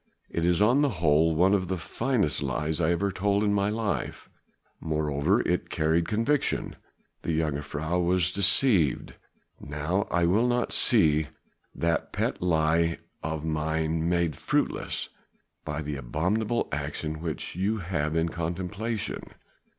It is on the whole one of the finest lies I ever told in my life; moreover it carried conviction; the jongejuffrouw was deceived. Now I will not see that pet lie of mine made fruitless by the abominable action which you have in contemplation."